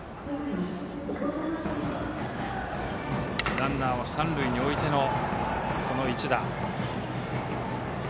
ランナーは三塁に置いてのこの一打。